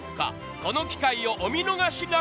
この機会をお見逃しなく。